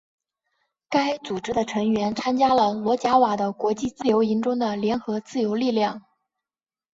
该组织的成员参加了罗贾瓦的国际自由营中的联合自由力量。